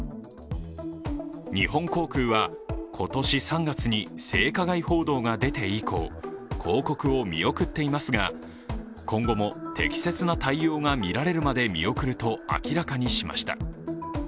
日本航空は、今年３月に性加害報道が出て以降、広告を見送っていますが、今後も適切な対応が見られるまで見送ると明らかにしました。